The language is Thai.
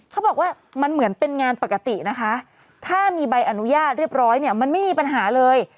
เขาบอกว่ามันเหมือนเป็นงานปกตินะคะถ้ามีใบอนุญาตเรียบร้อยเนี่ยมันไม่มีปัญหาเลย